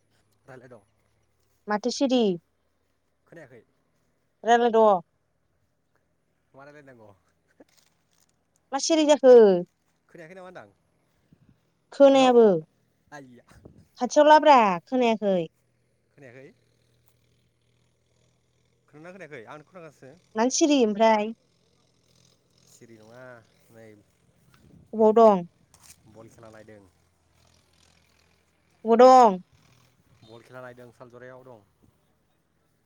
[unintelligible] माथो सिरि। खोनायाखै? खोनोद' मा रायलाय नांगौ? मा सिरि जाखो? खोनायाखै नामा खोनायाबो होनदां हेल' आइया। ब्रा खोनायाखै। खोनायाखै? खोनादोंना खोनायाखै आं खोनागासिनो मानो सिरि ओमफ्राय? सिरि नङा नै बबाव दं? बल खेला नायदों। अबाव दं? बल खेला नायदों सनजरायाव दं।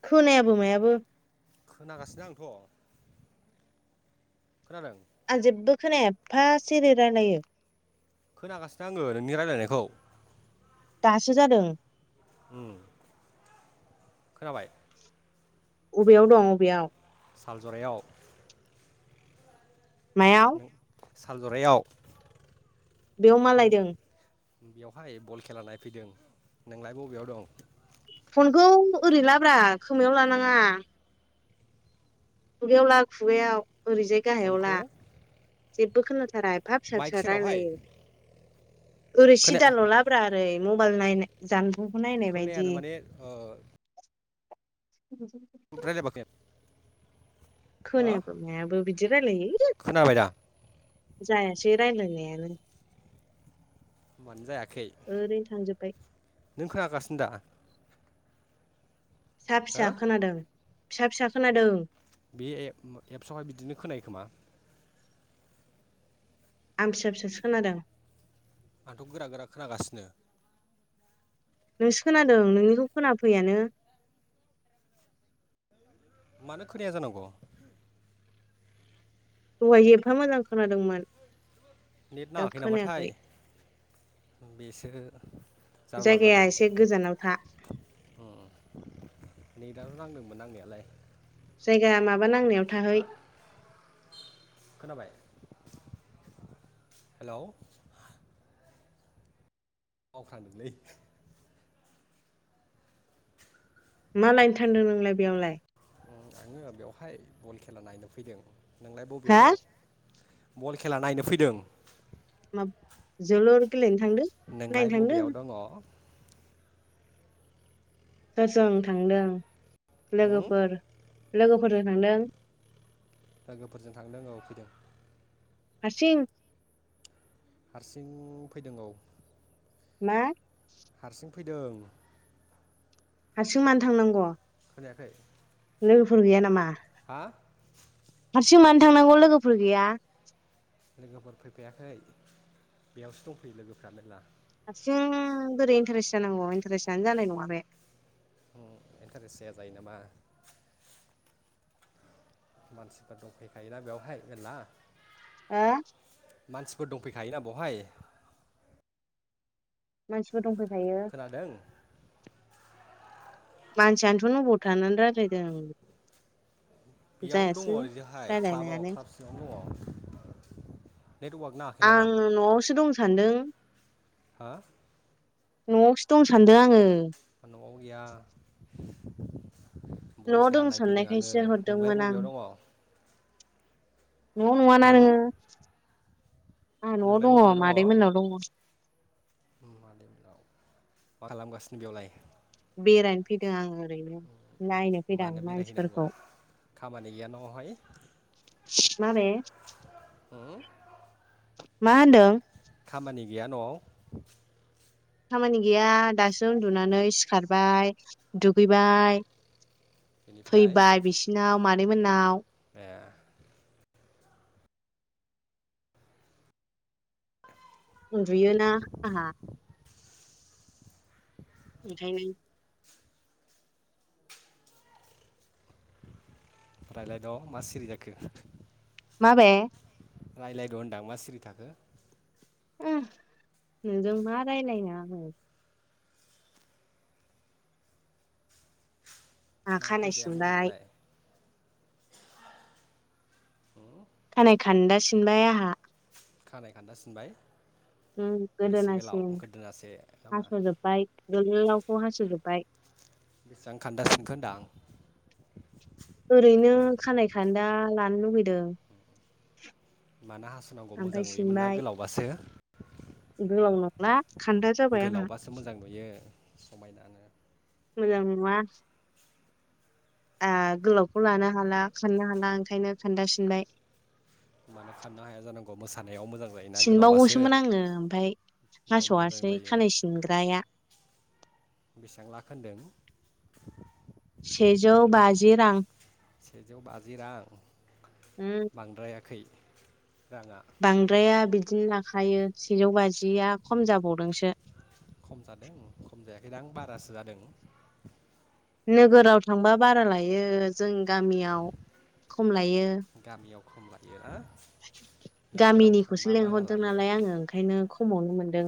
खोनायाबो मायाबो खोनागासिनो आंथ खोनादों आं जेबबो खोनाया एफा सिरि रायलायो खोनागासिनो आंङो नोंनि रायलायनायखौ दासो जादों उम खोनाबाय अबेयाव दं अबेयाव साल जरायाव मायाव साल जरायाव बेयाव मालायदों बेयावहाय बल खेला नायफैदों नोंलाय बबेयाव दं फनखौ ओरै लाब्रा खोमायाव लानाङा खुगायाव ला खुगायाव ओरैजाय गाहायाव ला फनखौ जेबो खोना थारा एफा फिसा माइक फिसा सेरावहाय रायलायो ओरै खोनाया सिदा ल' लाब्रा ओरै मबाइल नायनाय जान खोनायानो माने ओ [unintelligible] हो खोनायाबो मायाबो बिदि रायलायो खोनाबाय दा जाय सै रायलायनायानो मानो जायाखै ओरैनो थांजोब्बाय नों खोनागासिनो दा सा हो फिसा खोनादों फिसा फिसा खोनादों बे एपसआवहाय बिदिनो खोनायो खोमा आं फिसा फिसासो खोनादों आंथ' गोरा गोरा खोनागासिनो नोंसो खोनादों नोंनिखौ खोना फैयानो मानो खोनाया जानांगौ दहाय एफा मोजां खोनादोंमोन नेट दा नांङाखै नामाथाय खोनायाखै बेसो जारला जायगाया जादों एसे गोजानाव था नै दाल' नांदोंमोन नांनायालाय जायगा माबा नांनायाव हा थाहै खोनाबाय हेलौ बावफ्रांदोंलै मा लायनो थांदों नोंलाय बेयावलाय आङो बेवहाय बल खेला नायनो फैदों नोंलाय बबेयाव हा दं बल खेला नायनो फैदों मा जोलुर गेलेनो थांदों नायनो नोंलाय थांदों बबेयाव दंङ दा जों थांदों उम? लोगोफोर लोगोफोरजों थांदों लोगोफोरजों थांदों औ फैदों हारसिं हारसिं फैदों औ मा हारसिं फैदों हारसिं मानो थांनांगौ खोनायाखै लोगोफोर गैया नामा हा हारसिं मानो थांनांगौ लोगोफोर गैया लोगोफोर फैफायाखै बेयावसो दंफैयो लोगोफ्रा मेरला जों बोरै इन्टारेस्ट जानांगौ इन्टारेस्टआनो जानाय नंङा बे इन्टारेस्ट जाया जायो नामा मानसिफोर दंफैखायोना बेवहाय मेरला आ फोर दंफैखायोना बवहाय मानसिफोर दंफै खोनादों मानसियानोथ' नबाव थानानै रायज्लायदों बेयावनो दंङ जायासै ओरैजहाय क्लाबाव रायलायनायानो क्लाब सिङावनो दङ नेटवार्क नाङाखै नामा आं न'आवसो दं स सान्दों हा न'आवसो दं सानदों आंङो न' आव गैया बल न'आव खेला दं नायफैदों आंङो साननायखायसो नोंलाय हरदोंमोन आं बबेयाव दङ न'आव नंआना होम नोंङो आङा न'आव नोंलाय दङ बबेयाव मादैमोनाव दङ मादैमोननाव मा खालामगासिनो बेयावलाय बेरायनो फैदों आंङो ओरैनो नायनो फैदां मानो बेरायहैनांगौ मानसिफोरखौ खामानि गैया न'आवहाय माबे मा होनदों खामानि गैया न'आव खामानि गैया दासो उन्दुनानै सिखारबाय दुगैबाय बेनिफ्राय फैबाय बिसिनाव आनै मोनाव ए उन्दुयोना आंहा एखायनो रायलायद' मा सिरि जाखो मा बे रायज्लायद दां मा सिरि थाखो नोंजों मा रायलायनो आङो आंहा मा ओंख्रि खानाय जायामोन सिनबाय दिनैलाय खानाय खान्दा सिनबाय आंहा खानाय खान्दा सिनबाय बेसे गोलाव गोदोनासिन गोदोनासे नामा हास'जोब्बाय गोलावखौ हास'जोबबाय बेसेबां खान्दा सिनखो दां ओरैनो खानाय खानदा लानो लुुबैदों मानो हासुनांगौ मोजां ओमफ्राय नुयोमोन ना सिनबाय गोलावबासो मा गोलावबासो मोजां नुयो समायनानो मोजां नुवा गोलावखौ लानो हाला खाननो हाला ओंखायनो खोन्दा सिनबाय मानो खाननो हाया जानांगौ मोसानायाव मोजां जायोना गोलावबासो सिनबावगौसोमोन आङो ओमफाय नायनो मोजां हास'वासै जायो खानाय सिनग्राया बेसेबां लाखो होनदों सेजौ बाजि रां सेजौ बाजि रां उम बांद्रायाखै राङा बांद्राया बिदिनो लाखायो सेजौ बाजि जिया खम जाबावदोंसो खम जादों खम जायाखैना आं बारासो जादों नोगोराव थांबा बारा लायो जों गामियाव खम लायो गामियाव खम लायो ना नोगोराव गामिनिखौसो थांबा बारा लेंंहरदों लायो नालाय आङो ओंखायनो खमावनो मोनदों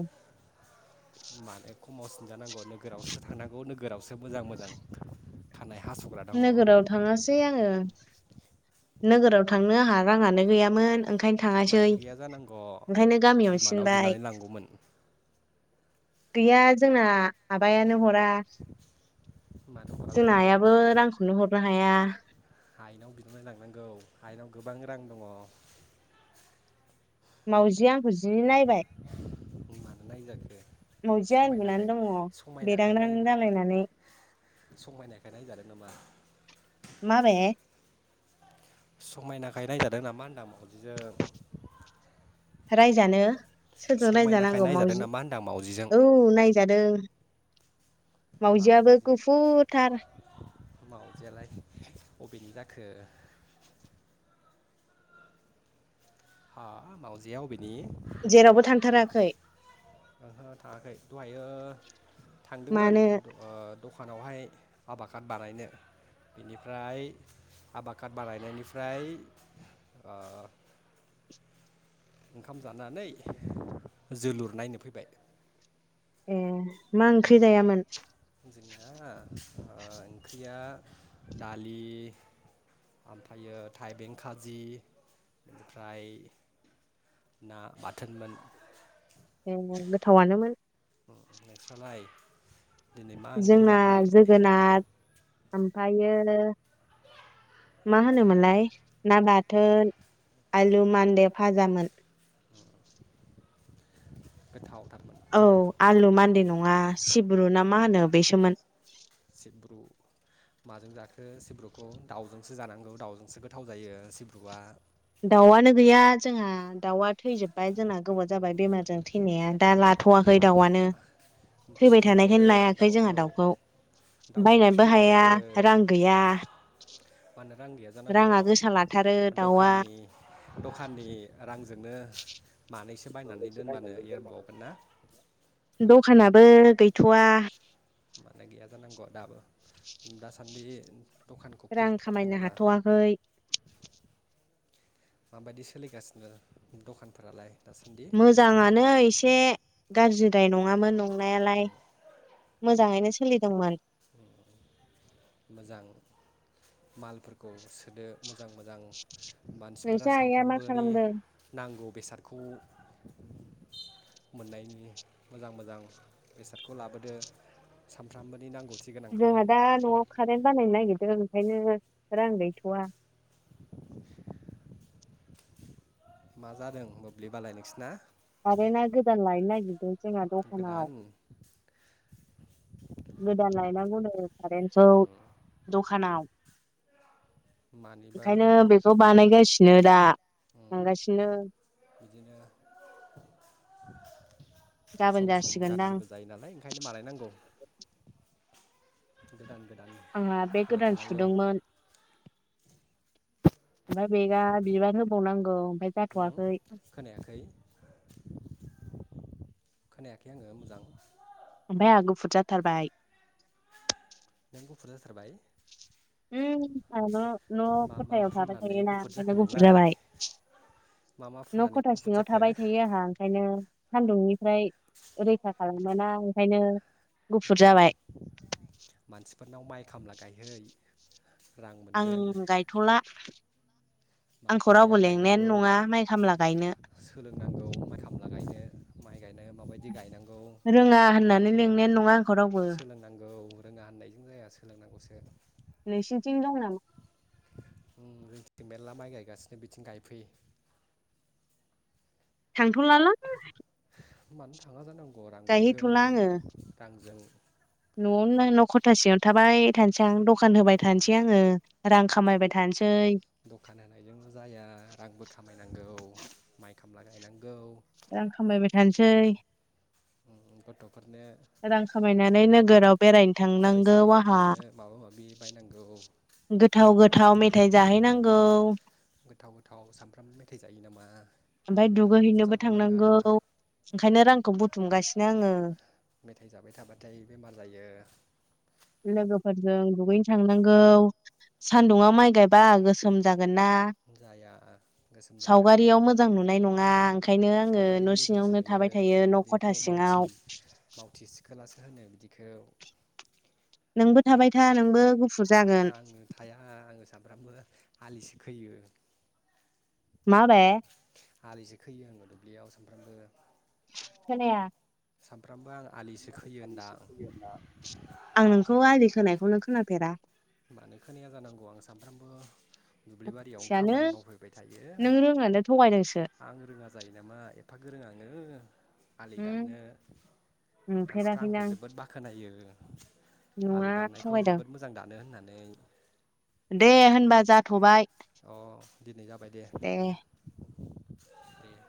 माने खमाव सिनजानांगौ नोगोरावसो थांनांगौ नोगोरावसो मोजां मोजां खानाय हास'ग्रा दङ नोगोराव थाङासै आङो नोगोराव थां नो आंहा राङानो गैयामोन। ओंखायनो थाङासै मानो गैया जानांगौ ओंखायनो गामियावनो बिमानाव सिनबाय बिनानै लांगौमोन। गैया जोंना आबायानो हरा। मानो हरा हरा जोंना जानांगौ आयाबो बो रांखौनो हरा। माया हायेनाव बिना लांनांगौ हायेनाव गोबां रां दङ। मावजिया आंखौ जि नायबाय मानो नायजाखो मावजिया उन्दुनानै समायनाखाय दङ समायनाखाय बेदांदां नाय जालायनानै समायनायखाय नायजादों नामा? माबे समायनाखाय नायजादों नामा होनदों मावजिजों? रायजानो? सोरजों समायनाखाय नायजानांगौ नायजादों मावजि नामा होनदां मावजिजों औ नायजादों। मावजियाबो मावजि गुफुरथार मावजियालाय अबेनि जा खो अह मावजिया अबिनि नि ओहो जेरावबो थांथाराखै थांदोंना थाङाखै दहायो थांदोंमोन मानो द दख दखानावहाय हाबा काद बानायनो बिनिफ्राय हाब काद बानायनायनिफ्राय ओ ओंखाम जानानै जोलुर नायनो फैबाय। ए मा ओंख्रि जायामोन? जोंना ओ ओंख्रिया दालि ओमफायो थाइबें खाजि ओमफ्राय ना बाथोनमोन। ए गोथावानोमोन। नोंस्रालाय? दिनै मा ओंख्रि जोंना जानाय जोगोनार ओमफ्रायो मा होनोमोनलाय ना बाथोन आलु मान्दे फाजामोन। गोथाव। औ आलु मान्दे नङा सिब सिब्रुु ना मा होनो बेसोमोन। सिब्रु माजों जाखो सिब्रुखौ दाउजोंसो जानांगौ दाउजोंसो गोथाव जायो सिब्रुआ। दाउआनो गैया जोंहा दाउआ थैजोब्बाय जोंना गोबाव जाबाय बेमारजों थैनाया दा लाथ'वाखै दाउआनो ‌ फिफिनबावदो दाउखौ दाउखौ बायनोबो हाया फिफिनबावदो रां गैया मानो रां गैया रां नांग राङा गोसा लाथारो दाउआ दखाननि दखाननि रांजों जोंनो मानैसो बायनानै दोनबानो एरबावगोन ना दखानाबो गैथ'वा। माने गैया जानांगौ दाबो दासान्दि। दखानखौ रां खुलिथ'वाखै खामायनो नामा हाथ'वाखै। माबायदि सोलिगासिनो दखानफोरालाय? दासान्दि मोजाङानो एसे गाज्रि। दाय नङामोन नंनायालाय मोजाङैनो सोलिदोंमोन। मोजां मालफोरखौ सोदो मोजां मोजां मानसिफोरा नोंस्रा आइया मा सानफ्रामबोनि खालामदों नांगौ बेसादखौ मोननायनि मोजां मोजां बेसादखौ लाबोदो सानफ्रामबोनि नांगौ। जोंहा दा न'आव कारेन्ट बानायनो नागिरदों। ओंखायनो रां गैथ'वा मा जादों मोब्लिबालाय नोंसिना? कारेना गोदान लायनो नागिदों। जोंना गोदान दखानाव गोदान लायनांगौनो कारेन्टखौ दखानाव। मानिबा ओंखायनो बेखौ बानायगासिनो दा थांगासिनो। बिदिनो [unintelligible] गाबोन सम सम जासिगोनदां गारजिबो जायो नालाय ओंखायनो बानाय नांगौ। [unintelligible] गोदान गोदान आंहा बेग होबाय गोदान थानांगौ सुदोंमोन। ओमफ्राय बेगा बिबार होबावनांगौ। उम जाथ'वाखै खोनायाखै खोनायाखै आङो मोजां- ओमफाय आहा गुफुद जाथारबाय। नों गफुर जाथारबाय? उम आंहा न' न' मा मा खथायाव थाबाय फुननानै थायोना गुफुर ओंखायनो जाखो गुफुर नोंलाय जाबाय मा मा न' फुननानै खथा गुफुर सिङाव जाखो थाबाय थायो आहा ओंखायनो सान्दुंनिफ्राय रैखा खालाम मोना ओंखायनो- गुफुर जाबाय। फोरनाव माइ खामला गायहै। रां आं मोनगोन गायथ'ला। आंखौ मानो गाया रावबो लेंनायानो गायनांगौ नङा माइ खामला गायनो सोलोंनांगौ माइ खामला गायनो। माइ गायनो माबायदि गायनांगौ रोङा होननानै बेखौ लिंनायानो नङा आंखौ रावबो। सोलोंनांगौ रोङा होननायजों जाया सोलोंनांगौसो। नोंसिनिथिं दं नामा? उम जोंथि मेरला माइ गायगासिनो बिथिं गायफै। थांथ'लालां- मानो थाङा जानांगौ। अ रां मोनगोन गायहैथ'ला आङो रांजों न'आवनो न' खथासेयाव थाबाय थानोसै आं दखान होबाय थानोसै आङो रां खामायबाय थानोसै। दखान होनायजोंल' जाया रांबो खामायनांगौ माइ खामला गायनांगौ रां खामायबाय थानोसै [inaudible] रां खामायनानै नोगोराव बेरायनो थांनांगौ फरायसालियाव आंहा थांनो माबा माबि बायनांगौ गोथाव गोथाव मेथाइ जाहैनांगौ गोथाव गोथाव सानफ्राम मेथाइ जायो नामा ओमफाय दुगैहैनोबो जानो नाङा थांनांगौ ओंखायनो रांखौ बुथुमगासिनो आङो मेथाइ जाबाय थाबाथाय बेमार जायो लोगोफोरजों दुगैनो थांनांगौ सान्दुङा माइ गायबा गोसोम जा- गोनना जाया गोसोम जाया सावगारियाव मोजां नुनाय नं- बां सावगारियाव मोजांसो नुयो न' खथा बेखौ मावथि सिङाव मावथि सिखोलासो होनो बिदिखौ नोंबो थाबाय था नोंबो गु- आंनो थाया आङो सामफ्रामबो आलिसो खोयो माबे आलिसो खोयो आङो दुब्लियाव सामफ्रामबो खोनाया सामफ्रामबो आङो आं नोंखौ आलि खोनाय- खौनो खोनाफेरा मानो खोनाया जानांगौ आं सानफ्रामबो दुब्लिबारियावनो सियानो खामानि मावफैबाय थायो नों रोंनानै थगायदोंसो आं रोङा जायो नामा एफा गोरोङा- नो आलि उम दाननो मानसिफ्रा नुफेराखैनो आंखौ आं जोबोद बाखनायो आलि नङा दाननायखौ थगायदों जोबोद मोजां दा- नो होननानै दे होनबा जाथ'बाय अ दिनै जाबाय दे दे